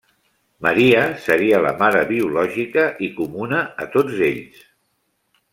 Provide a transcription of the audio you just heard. Maria seria la mare biològica i comuna a tots ells.